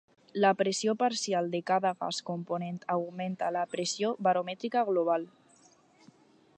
La pressió parcial de cada gas component augmenta la pressió baromètrica global.